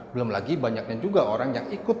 belum lagi banyaknya juga orang yang ikut